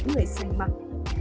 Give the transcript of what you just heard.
người xanh mặc